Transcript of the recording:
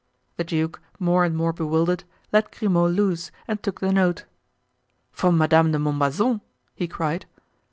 The duke, more and more bewildered, let Grimaud loose and took the note. "From Madame de Montbazon?" he cried.